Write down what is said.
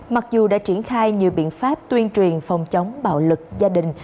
mặc dù đã triển khai nhiều biện pháp tuyên truyền phòng chống bạo lực gia đình